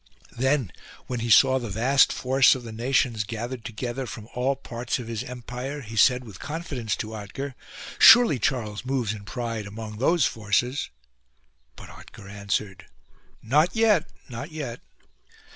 Then when he saw the vast force of the nations gathered together from all parts of his empire, he said with confidence to Otker :" Surely Charles moves in pride 144 THE IRON HOST among those forces." But Otker answered :" Not yet, not yet."